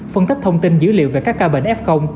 phân tích thông tin dữ liệu về các ca bệnh f